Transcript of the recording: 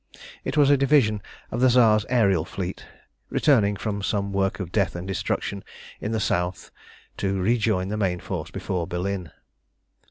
It was a division of the Tsar's aërial fleet, returning from some work of death and destruction in the south to rejoin the main force before Berlin.